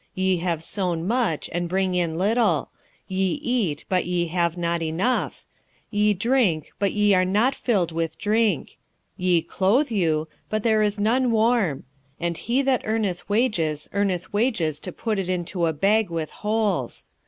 1:6 Ye have sown much, and bring in little; ye eat, but ye have not enough; ye drink, but ye are not filled with drink; ye clothe you, but there is none warm; and he that earneth wages earneth wages to put it into a bag with holes.